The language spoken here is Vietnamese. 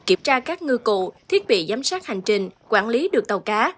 kiểm tra các ngư cụ thiết bị giám sát hành trình quản lý được tàu cá